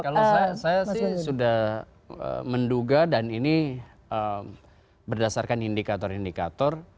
kalau saya sih sudah menduga dan ini berdasarkan indikator indikator